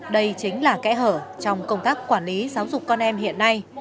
đây chính là kẽ hở trong công tác quản lý giáo dục con em hiện nay